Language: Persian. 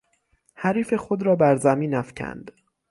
حریف خود را بر زمین افکند.